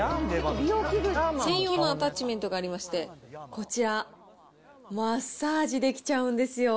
専用のアタッチメントがありまして、こちら、マッサージできちゃうんですよ。